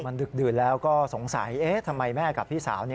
มันดึกดื่นแล้วก็สงสัยทำไมแม่กับพี่สาว